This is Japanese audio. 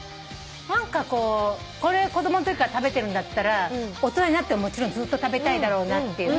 何かこうこれ子供のときから食べてるんだったら大人になってももちろんずっと食べたいだろうなっていう。